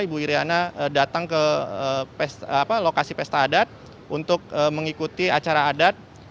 ibu iryana datang ke lokasi pesta adat untuk mengikuti acara adat